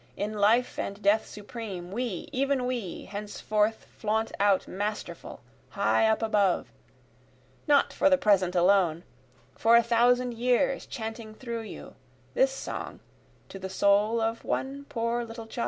in life and death supreme, We, even we, henceforth flaunt out masterful, high up above, Not for the present alone, for a thousand years chanting through you, This song to the soul of one poor little child.